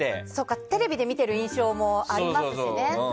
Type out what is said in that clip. テレビで見ている印象もありますしね。